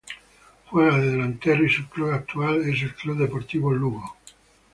Juega de delantero y su club actual es el Club Deportivo Lugo.